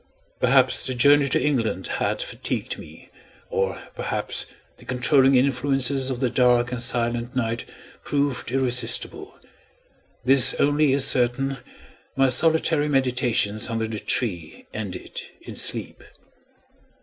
Perhaps the journey to England had fatigued me, or perhaps the controlling influences of the dark and silent night proved irresistible. This only is certain: my solitary meditations under the tree ended in sleep.